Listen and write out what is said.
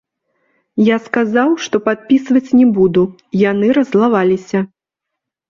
Я сказаў, што падпісваць не буду, яны раззлаваліся.